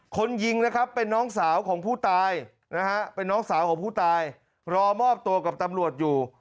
คนยิงนะครับเป็นน้องสาวของผู้ตายนะฮะเป็นน้องสาวของผู้ตายรอมอบตัวกับตำรวจอยู่